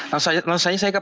langsung saja saya keperluan